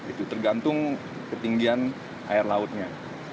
itu tergantung ketinggian air lautnya